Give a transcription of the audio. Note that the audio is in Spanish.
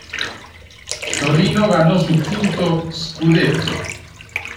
Torino ganó su quinto "scudetto".